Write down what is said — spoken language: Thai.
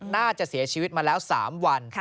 น่าจะเสียชีวิตมาแล้ว๓วัน